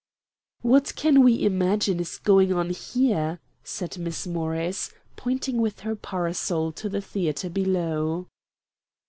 "What can we imagine is going on here?" said Miss Morris, pointing with her parasol to the theatre below.